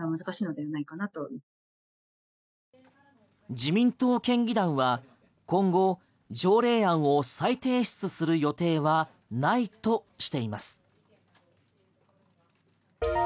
自民党県議団は今後条例案を再提出する予定はないとしています。